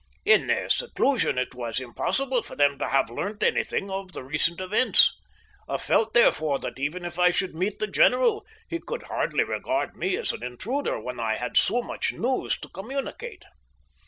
In their seclusion it was impossible for them to have learnt anything of the recent events. I felt, therefore, that even if I should meet the general he could hardly regard me as an intruder while I had so much news to communicate.